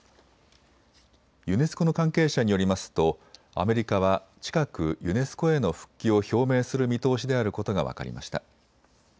ユネスコの関係者によりますとアメリカは近くユネスコへの復帰を表明する見通しであることが分かりました。